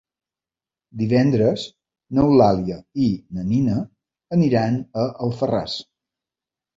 Divendres n'Eulàlia i na Nina aniran a Alfarràs.